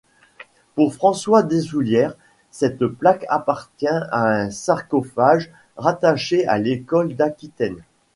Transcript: Pour François Deshoulières, cette plaque appartient à un sarcophage rattaché à l'école d'Aquitaine.